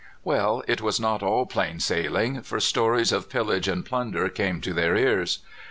Well, it was not all plain sailing, for stories of pillage and plunder came to their ears.